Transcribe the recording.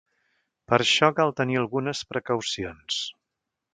Per això cal tenir algunes precaucions.